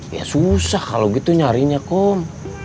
gue susah kalau gitu nyarinya kum